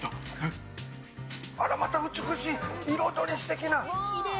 あらまた美しい、彩り素敵な。